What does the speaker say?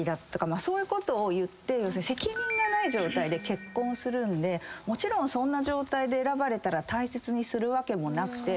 まあそういうことを言って責任がない状態で結婚するんでもちろんそんな状態で選ばれたら大切にするわけもなくて。